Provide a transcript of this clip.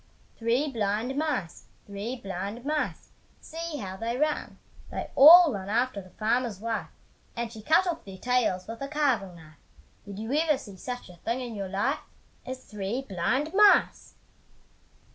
Three blind mice, three blind mice, See how they run! They all run after the farmer's wife, And she cut off their tails with a carving knife, Did you ever see such a thing in your life As three blind mice!